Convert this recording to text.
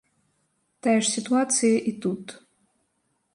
Тая ж сітуацыя і тут.